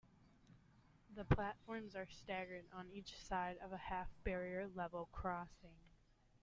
The platforms are staggered on each side of a half barrier level crossing.